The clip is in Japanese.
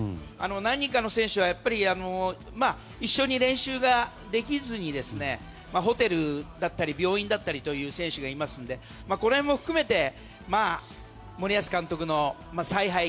何人かの選手は一緒に練習ができずにホテルだったり病院だったりという選手がいますのでこの辺も含めて森保監督の采配。